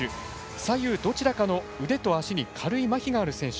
左右どちらかの腕と足に軽いまひがある選手。